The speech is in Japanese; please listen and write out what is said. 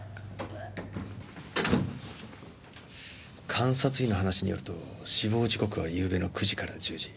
監察医の話によると死亡時刻は昨夜の９時から１０時。